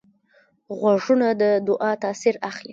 غوږونه د دعا تاثیر اخلي